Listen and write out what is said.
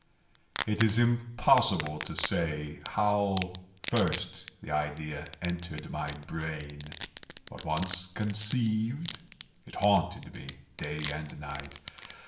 It is impossible to say how first the idea entered my brain; but once conceived, it haunted me day and night.